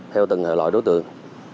theo từng loại đối tượng